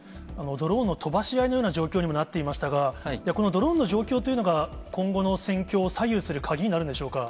ドローンの飛ばし合いのような状況にもなっていましたが、このドローンの状況というのが、今後の戦況を左右する鍵になるんでしょうか。